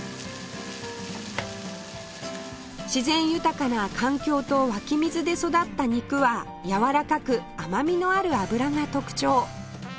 自然豊かな環境と湧き水で育った肉はやわらかく甘みのある脂が特徴